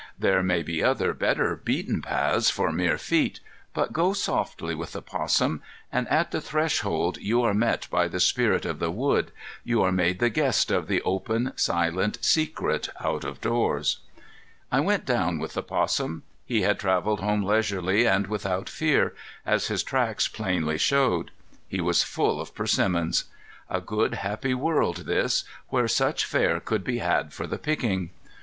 There may be other, better beaten paths for mere feet. But go softly with the 'possum, and at the threshold you are met by the spirit of the wood, you are made the guest of the open, silent, secret out of doors. I went down with the 'possum. He had traveled home leisurely and without fear, as his tracks plainly showed. He was full of persimmons. A good happy world this, where such fare could be had for the picking!